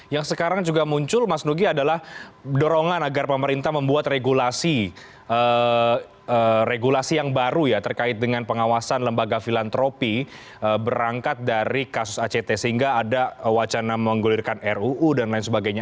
yang sekarang juga muncul mas nugi adalah dorongan agar pemerintah membuat regulasi regulasi yang baru ya terkait dengan pengawasan lembaga filantropi berangkat dari kasus act sehingga ada wacana menggulirkan ruu dan lain sebagainya